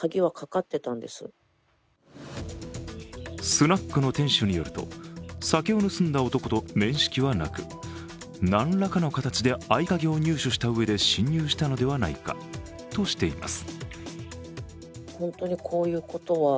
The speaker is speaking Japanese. スナックの店主によると酒を盗んだ男と面識はなくなんらかの形で合鍵を入手したうえで侵入したのではないかとしています。